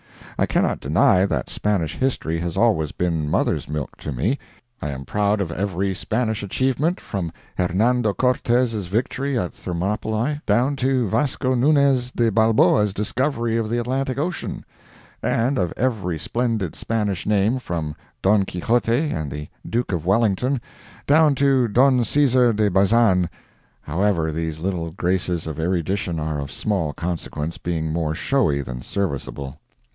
I cannot deny that Spanish history has always been mother's milk to me. I am proud of every Spanish achievement, from Hernando Cortes's victory at Thermopylae down to Vasco Nunez de Balboa's discovery of the Atlantic ocean; and of every splendid Spanish name, from Don Quixote and the Duke of Wellington down to Don Caesar de Bazan. However, these little graces of erudition are of small consequence, being more showy than serviceable.